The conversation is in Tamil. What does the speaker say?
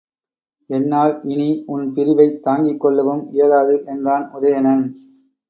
என்னால் இனி உன்பிரிவைத் தாங்கிக் கொள்ளவும் இயலாது என்றான் உதயணன.